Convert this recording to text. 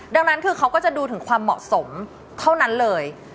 ดังนั้นคือเขาก็จะดูถึงความเหมาะสมเท่านั้นเลย